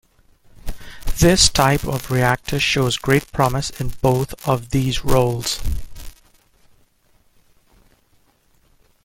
This type of reactor shows great promise in both of these roles.